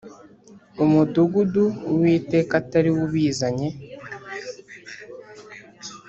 umudugudu Uwiteka atari we ubizanye